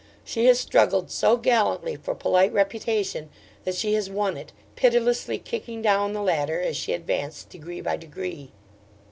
She has struggled so gallantly for polite reputation that she has won it: pitilessly kicking down the ladder as she advanced degree by degree.